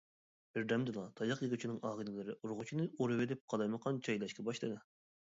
بىردەمدىلا تاياق يېگۈچىنىڭ ئاغىنىلىرى ئۇرغۇچىنى ئورىۋېلىپ قالايمىقان چەيلەشكە باشلىدى.